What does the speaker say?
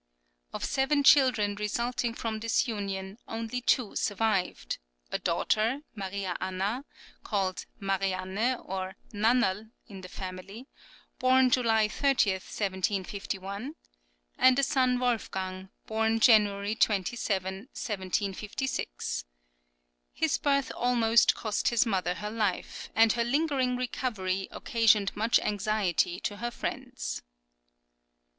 Of seven children resulting from this union, only two survived: a daughter, Maria Anna (called Marianne or Nannerl in the family), born July 30, 1751, and a son Wolfgang, born January 27, 1756.[10026] His birth almost cost his mother her life, and her lingering recovery occasioned much anxiety to her friends.